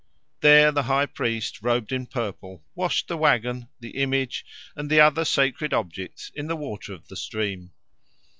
There the high priest, robed in purple, washed the waggon, the image, and the other sacred objects in the water of the stream.